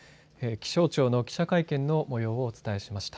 気象庁の記者会見の模様をお伝えしました。